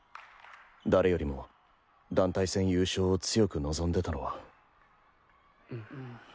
誰よりも団体戦優勝を強く望んでたのは。